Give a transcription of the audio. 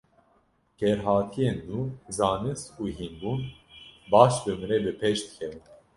Kêrhatiyên nû, zanist û hînbûn, baş bi min re bi pêş dikevin.